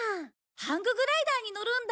ハンググライダーに乗るんだ。